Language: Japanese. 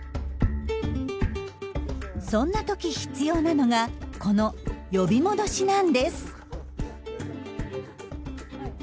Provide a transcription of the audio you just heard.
そんな時必要なのがこの「呼び戻し」なんです。